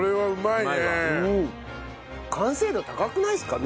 完成度高くないですか？